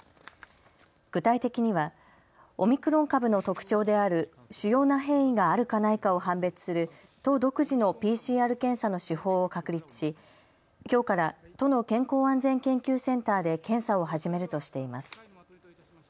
具体的にはオミクロン株の特徴である主要な変異があるかないかを判別する都独自のＰＣＲ検査の手法を確立しきょうから都の健康安全研究センターで検査を始めるとしています。